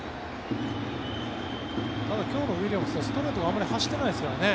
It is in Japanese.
ただ、今日のウィリアムズはストレートがあまり走ってないですからね。